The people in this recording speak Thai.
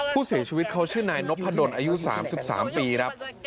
ผู้เสียชีวิตเขาชื่อนายนพดลอายุ๓๓ปีครับ